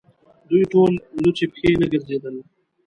دوی ټول لڅې پښې نه ګرځېدل.